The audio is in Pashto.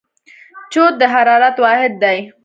جوت د حرارت واحد دی.